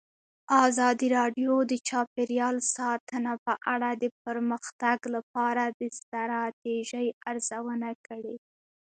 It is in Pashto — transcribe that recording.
ازادي راډیو د چاپیریال ساتنه په اړه د پرمختګ لپاره د ستراتیژۍ ارزونه کړې.